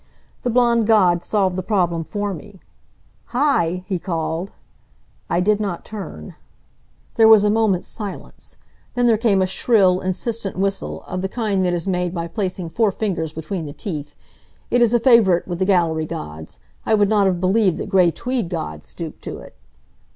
The blond god solved the problem for me. "Hi!" he called. I did not turn. There was a moment's silence. Then there came a shrill, insistent whistle, of the kind that is made by placing four fingers between the teeth. It is a favorite with the gallery gods. I would not have believed that gray tweed gods stooped to it.